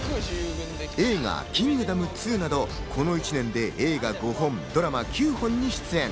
映画『キングダム２』など、この１年で映画５本、ドラマ９本に出演。